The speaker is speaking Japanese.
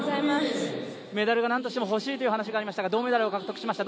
メダルがなんとしても欲しいという話がありましたが銅メダルを獲得しました。